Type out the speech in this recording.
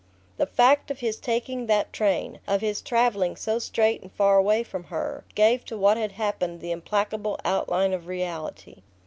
The fact of his taking that train, of his travelling so straight and far away from her, gave to what had happened the implacable outline of reality.